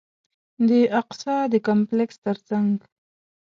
د الاقصی د کمپلکس تر څنګ.